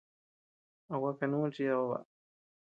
¿A gua kanu chidad baʼa?